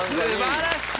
素晴らしい！